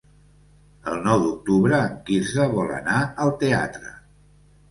El nou d'octubre en Quirze vol anar al teatre.